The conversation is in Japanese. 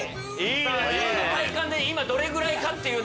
自分の体感で今どれぐらいかっていう。